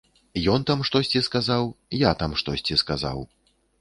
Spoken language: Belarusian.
Ён там штосьці сказаў, я там штосьці сказаў.